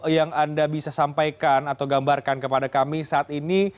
yang anda bisa sampaikan atau gambarkan kepada kami saat ini